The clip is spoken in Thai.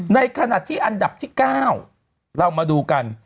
ในขณะที่อันดับที่๙เรามาดูกัน